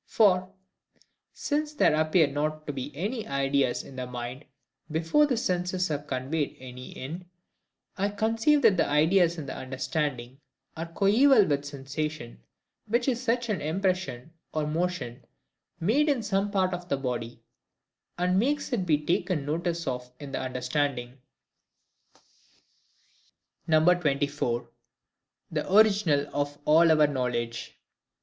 For, since there appear not to be any ideas in the mind before the senses have conveyed any in, I conceive that ideas in the understanding are coeval with SENSATION; WHICH IS SUCH AN IMPRESSION OR MOTION MADE IN SOME PART OF THE BODY, AS MAKES IT BE TAKEN NOTICE OF IN THE UNDERSTANDING. 24. The Original of all our Knowledge.